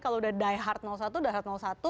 kalau udah die hard satu die hard satu